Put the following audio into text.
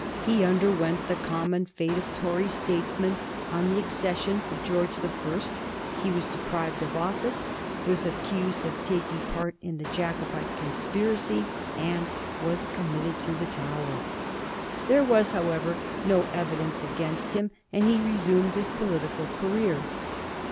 He underwent the common fate of Tory statesmen on the accession of George the First ; he was deprived of office, was accused of taking part in the Jacobite con spiracy, and was committed to the Tower. There was, however, no evidence against him, and he resumed his political cai'eer.